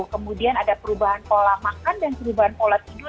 kemudian ada perubahan pola makan dan perubahan pola tidur